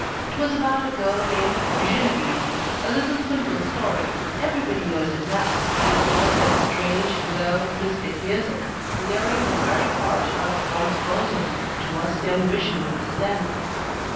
It was about a girl named Genevieve a little simple story everybody knows it now; but it was like a strange, low, mystic music, luring the very heart out of one's bosom, to us young visionaries then.